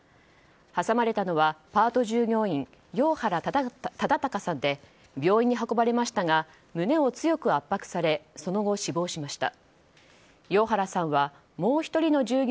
挟まれたのはパート従業員養原忠敬さんで病院に運ばれましたが胸を強く圧迫されその後、死亡しました。